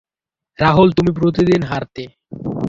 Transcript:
রাহুল তুমি প্রতিদিন হারতে।